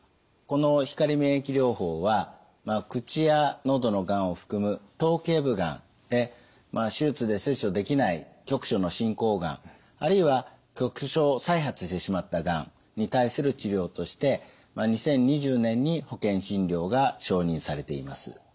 この光免疫療法は口や喉のがんを含む頭頸部がんで手術で切除できない局所の進行がんあるいは局所再発してしまったがんに対する治療として２０２０年に保険診療が承認されています。